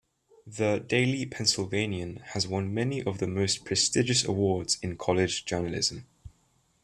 The "Daily Pennsylvanian" has won many of the most prestigious awards in college journalism.